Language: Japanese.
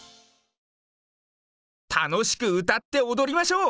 たのしくうたっておどりましょう。